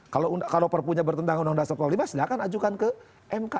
kalau perpunya bertentangan dengan undang undang empat puluh lima silahkan ajukan ke mk